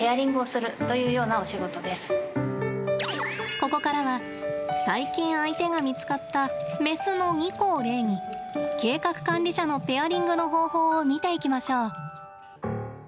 ここからは最近、相手が見つかったメスのニコを例に計画管理者のペアリングの方法を見ていきましょう。